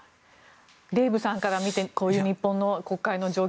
デーブさんから見てこういう日本の国会の状況